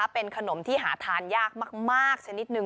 เป็นขนมที่หาทานยากมาก